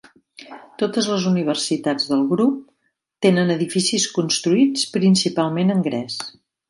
Totes les universitats del grup tenen edificis construïts principalment en gres.